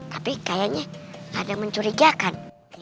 tapi kayaknya ada mencurigakan